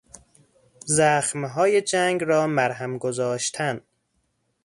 زخمهای جنگ را مرهم گذاشتن